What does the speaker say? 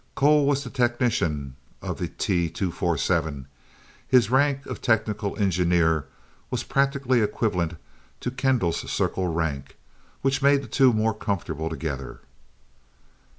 Cole was the technician of the T 247. His rank as Technical Engineer was practically equivalent to Kendall's circle rank, which made the two more comfortable together.